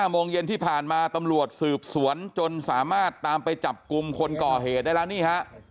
โมงเย็นที่ผ่านมาตำรวจสืบสวนจนสามารถตามไปจับกลุ่มคนก่อเหตุได้แล้วนี่ฮะ